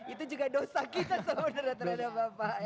itu juga dosa kita sebenarnya terhadap bapak